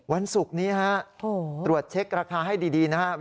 วันศุกร์นี้ฮะตรวจเช็คราคาให้ดีนะครับ